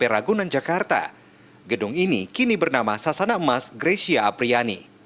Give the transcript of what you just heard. di ragunan jakarta gedung ini kini bernama sasana emas grecia apriyani